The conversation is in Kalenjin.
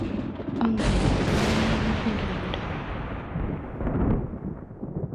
Angen amu mi muguleldo